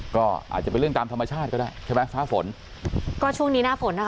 ก็อาจจะเป็นเรื่องตามธรรมชาติก็ได้ใช่ไหมฟ้าฝนก็ช่วงนี้หน้าฝนนะคะ